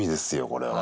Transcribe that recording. これは。